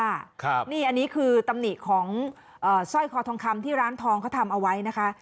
อันนี้คือตำหนิของสร้อยคอทองคำที่ร้านทองเขาทำเอาไว้นะคะ